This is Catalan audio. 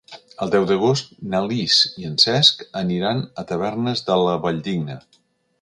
El deu d'agost na Lis i en Cesc aniran a Tavernes de la Valldigna.